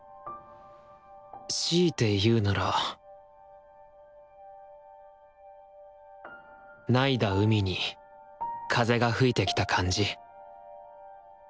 しいて言うなら凪いだ海に風が吹いてきた感じ？